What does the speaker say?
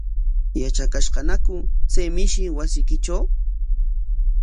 ¿Yatrakashqañaku chay mishi wasiykitraw?